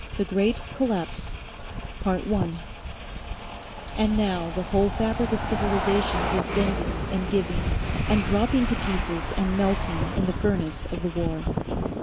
THE GREAT COLLAPSE 1 And now the whole fabric of civilisation was bending and giving, and dropping to pieces and melting in the furnace of the war.